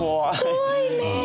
怖いね。